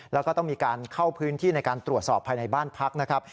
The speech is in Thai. แล้วก็ต้องมีการเข้าพื้นที่ในการตรวจสอบภายในบ้านพักนะครับ